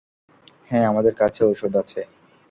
হ্যাঁ, আমাদের কাছে ঔষধ আছে।